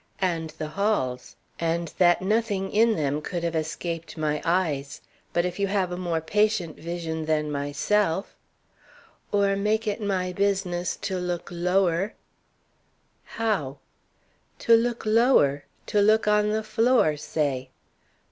"And the halls; and that nothing in them could have escaped my eyes. But if you have a more patient vision than myself " "Or make it my business to look lower " "How?" "To look lower; to look on the floor, say."